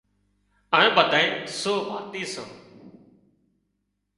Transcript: اَمين ٻڌانئين ٿئينَ سو ڀاتِي سان۔